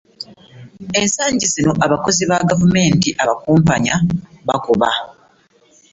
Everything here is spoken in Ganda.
Ensangi zino abakozi ba gavumenti abakumpanya bakuba